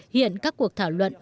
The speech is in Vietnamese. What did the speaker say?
hiện các cuộc thảo luận